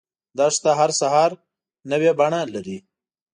دښته هر سحر نوی بڼه لري.